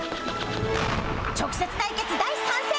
直接対決第３戦。